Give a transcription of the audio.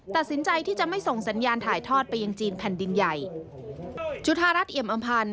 ตัดสินใจที่จะไม่ส่งสัญญาณถ่ายทอดไปยังจีนแผ่นดินใหญ่